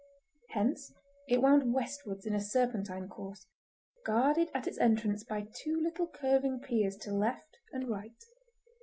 Hence, it wound westwards in a serpentine course, guarded at its entrance by two little curving piers to left and right.